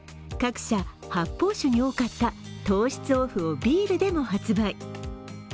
各社、発泡酒に多かった糖質オフをビールでも発売。